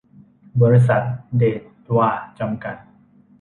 บริษัท เดชวา จำกัด